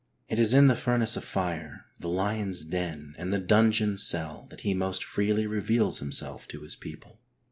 It is in the furnace of fire, the lion's den, and the dungeon cell that He most freely reveals himself to His people.